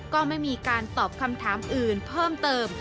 ก็ไม่มีการตอบคำถามอื่นเพิ่มเติม